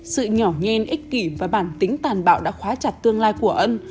sự nhỏ nhen ích kỷ và bản tính tàn bạo đã khóa chặt tương lai của ân